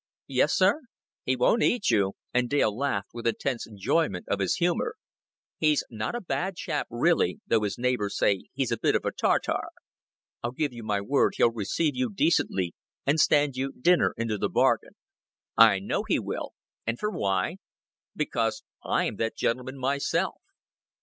"Yes, sir?" "He won't eat you," and Dale laughed with intense enjoyment of his humor. "He's not a bad chap really, though his neighbors say he's a bit of a Tartar. I give you my word he'll receive you, decently, and stand you dinner into the bargain. I know he will and for why? Because I am that gentleman myself."